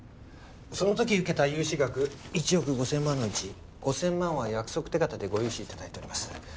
その時受けた融資額１億５０００万のうち５０００万は約束手形でご融資いただいております